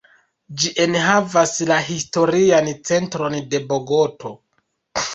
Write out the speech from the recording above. Ĝi enhavas la historian centron de Bogoto.